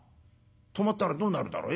止まったらどうなるだろう。